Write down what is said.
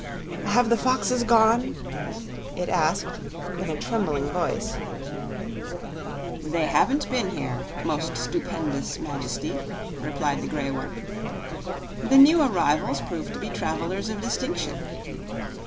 "Have the foxes gone?" it asked, in a trembling voice. "They haven't been here, most stupendous Majesty," replied the grey one. "The new arrivals prove to be travelers of distinction."